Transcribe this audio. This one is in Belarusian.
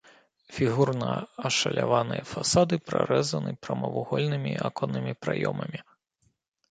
Фігурна ашаляваныя фасады прарэзаны прамавугольнымі аконнымі праёмамі.